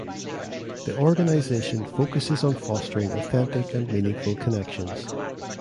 The organization focuses on fostering authentic and meaningful connections.